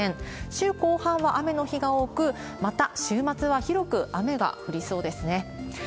週後半は雨の日が多く、また週末は広く雨が降りそうですね。